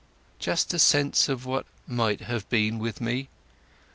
"Just a sense of what might have been with me!